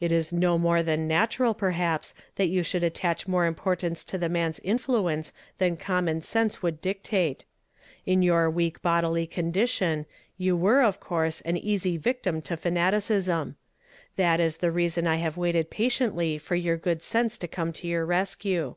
"It is no more than natural, perhaps, that you shotild attach more importance t the man's inthi ence than common sense would dictate. In your weak uodily condition, you were, of course, an easy victim to fanaticism. That is the reason I have waited patiently for your good sense to come to your rescue.